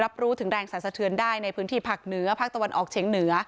รู้ถึงแรงสรรสะเทือนได้ในพื้นที่ภาคเหนือภาคตะวันออกเฉียงเหนือ